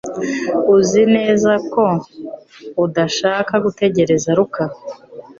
Uzi neza ko udashaka gutegereza Luka